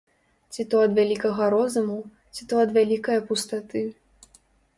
Ці то ад вялікага розуму, ці то ад вялікае пустаты.